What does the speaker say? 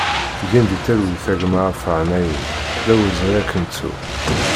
Gen di talwit a gma Afâa Naïm, d awezɣi ad k-nettu!